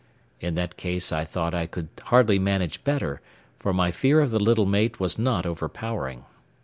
In that case I thought I could hardly manage better, for my fear of the little mate was not overpowering.